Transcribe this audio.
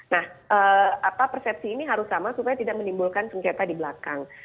nah persepsi ini harus sama supaya tidak menimbulkan sengketa di belakang